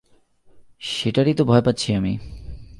সেটারই তো ভয় পাচ্ছি আমি।